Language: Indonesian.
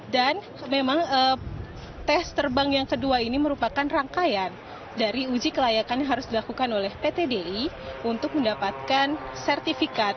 dan memang tes terbang yang kedua ini merupakan rangkaian dari uji kelayakan yang harus dilakukan oleh ptdi untuk mendapatkan sertifikasi